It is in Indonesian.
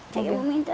saya mau minta